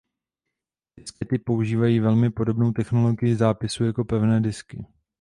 Diskety používají velmi podobnou technologii zápisu jako pevné disky.